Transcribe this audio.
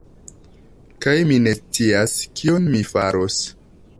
Kaj mi ne scias, kion mi faros